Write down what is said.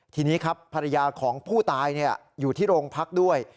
ทีนี้ครับภรรยาของผู้ตายอยู่ที่โรงพักด้วย